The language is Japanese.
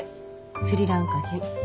スリランカ人。